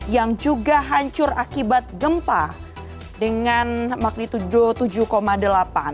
yang juga hancur akibat gempa dengan magnitudo tujuh delapan